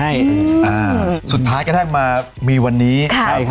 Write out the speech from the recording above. อ้าสุดท้ายกระทั่งมา